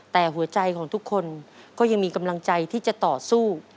แต่หัวใจของทุกคนก็ยังมีกำลังใจที่จะต่อสู้